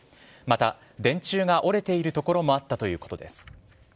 また、電柱が折れている所もあったということです。